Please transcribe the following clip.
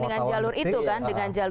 dengan jalur itu kan